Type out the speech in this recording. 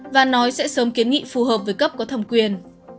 và nói sẽ sớm kiến nghị phù hợp với cấp có thẩm quyền